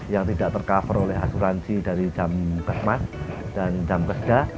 yang tidak tercover oleh asuransi dari jam kemas dan jam keseda